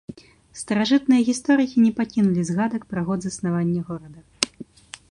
Старажытныя гісторыкі не пакінулі згадак пра год заснавання горада.